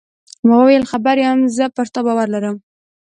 ما وویل: خبر یم، زه پر تا باور لرم.